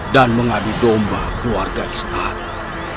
dan mengadu domba keluarga istana